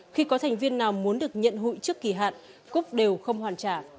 khi có thành viên nào muốn được nhận hụi trước kỳ hạn cúc đều không hoàn trả